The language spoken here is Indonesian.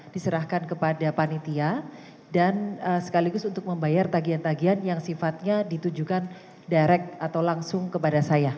diserahkan kepada panitia dan sekaligus untuk membayar tagihan tagian yang sifatnya ditujukan direct atau langsung kepada saya